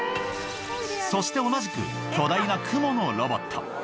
そして同じく、巨大なクモのロボット。